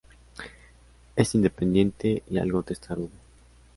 Es independiente y algo testarudo.